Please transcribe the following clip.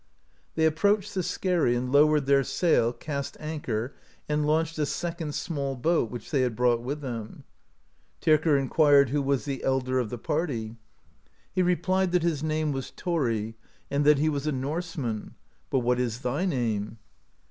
They approached the skerry, and lowered their sail cast anchor and launched a second small boat, which they had brought with them. Tyrker inquired who was the elder of the party? He 84 OTHER VOYAGES PLANNED TO THE NEW WORLD replied that his name was Thori, and that he was a Norseman; "but what is thy name?"